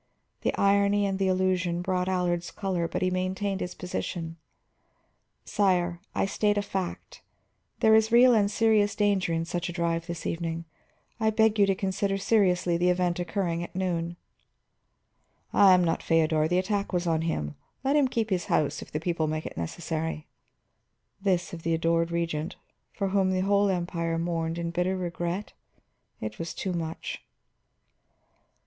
The irony and the allusion brought Allard's color, but he maintained his position. "Sire, I state a fact. There is real and serious danger in such a drive this evening. I beg you to consider seriously the event occurring at noon." "I am not Feodor; the attack was on him. Let him keep his house if the people make it necessary." This of the adored Regent, for whom the whole Empire mourned in bitter regret! It was too much.